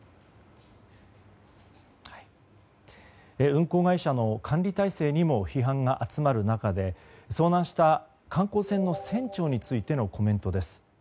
運航会社の管理体制にも批判が集まる中で遭難した観光船の船長についてのコメントです。